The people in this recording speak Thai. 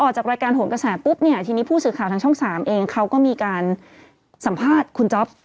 พอออกจากรายการโถงกลัวแหนปุ๊บที่นี่ผู้สื่อข่าวทางช่อง๓เองเขาก็มีการสัมภาษณ์คุณจ๊อบ